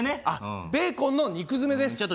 あっベーコンの肉詰めです。